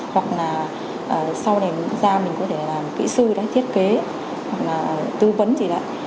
hoặc là sau này ra mình có thể làm kỹ sư đấy thiết kế hoặc là tư vấn gì đấy